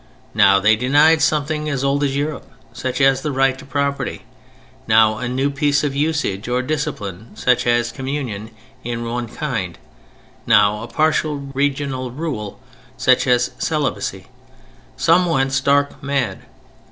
Now they denied something as old as Europe—such as the right to property: now a new piece of usage or discipline such as Communion in one kind: now a partial regional rule, such as celibacy. Some went stark mad.